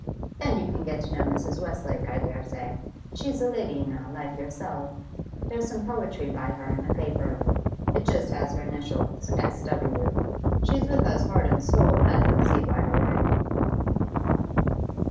'Then you can get to know Mrs. Westlake, I dare say. She's a lady, you know, like yourself. There's some poetry by her in the paper; it just has her initials, "S. W." She's with us heart and soul, as you'll see by her writing.